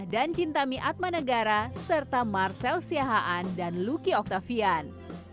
dan cinta miat manegara serta marcel siahaan dan lucky octavian